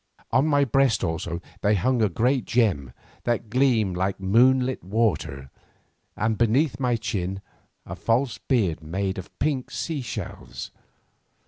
On my breast also they hung a great gem that gleamed like moonlit water, and beneath my chin a false beard made from pink sea shells.